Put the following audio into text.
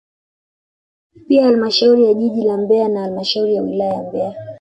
Pia halmashauri ya jiji la Mbeya na halmashauri ya wilaya ya Mbeya